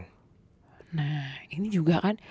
nah ini juga kan